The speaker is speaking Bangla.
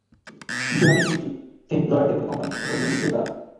কিছুদিন আগেও গুচি, সেন্ট লরেন্টের মতো কোম্পানির শক্ত প্রতিদ্বন্দ্বী ছিল তারা।